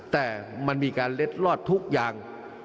แต่มันมีการเล็ดลอดทุกอย่าง